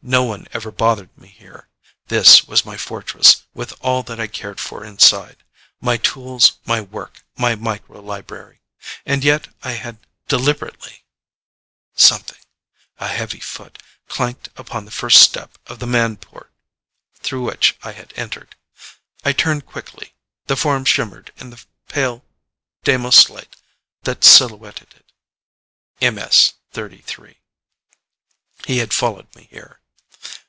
No one ever bothered me here. This was my fortress, with all that I cared for inside. My tools, my work, my micro library. And yet I had deliberately Something a heavy foot clanked upon the first step of the manport through which I had entered. I turned quickly. The form shimmered in the pale Deimoslight that silhouetted it. MS 33. He had followed me here.